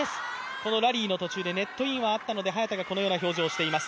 このラリーの途中でネットインがあったので、早田はこのような表情をしています。